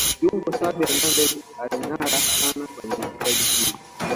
Kiungo Xavi Hernandez alingâara sana kwenye staili hii